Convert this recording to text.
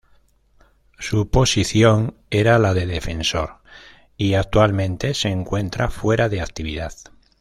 Su posición era la de defensor y actualmente se encuentra fuera de actividad.